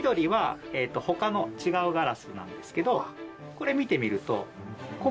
これ見てみると。